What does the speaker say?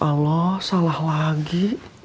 ya allah salah lagi